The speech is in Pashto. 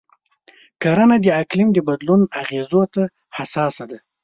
کرنه د اقلیم د بدلون اغېزو ته حساسه ده.